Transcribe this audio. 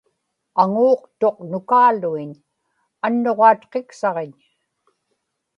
aŋuuqtuq nukaaluiñ; annuġaatqiksaġiñ